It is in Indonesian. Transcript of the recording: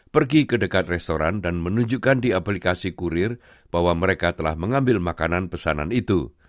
pergi ke dekat restoran dan menunjukkan di aplikasi kurir bahwa mereka telah mengambil makanan pesanan itu